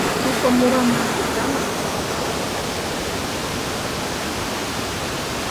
Шуко мура ман ида ман